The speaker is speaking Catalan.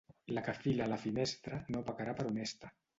La que fila a la finestra no pecarà per honesta.